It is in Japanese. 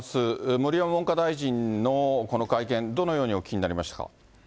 盛山文科大臣のこの会見、どのようにお聞きになりましたか。